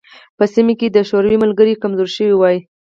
په سیمه کې د شوروي ملګري کمزوري شوي وای.